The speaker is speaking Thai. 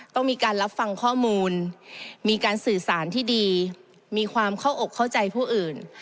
ต้องมีการรับฟังข้อมูลมีการสื่อสารที่ดีมีความเข้าอกเข้าใจผู้อื่น